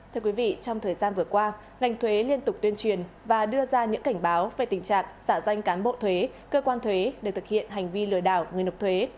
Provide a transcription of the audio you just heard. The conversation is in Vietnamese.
thưa quý vị trong thời gian vừa qua ngành thuế liên tục tuyên truyền và đưa ra những cảnh báo về tình trạng xả danh cán bộ thuế cơ quan thuế để thực hiện hành vi lừa đảo người nộp thuế